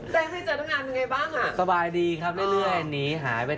เจเคยเจอต้องงานเป็นยังไงบ้าง